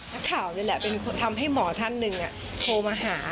รักษาวนี่แหละทำให้หมอท่านหนึ่งโทรมาหา